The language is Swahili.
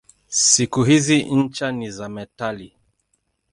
Siku hizi ncha ni za metali.